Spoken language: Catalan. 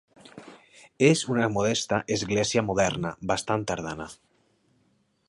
És una modesta església moderna, bastant tardana.